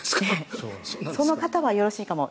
その方はよろしいかも。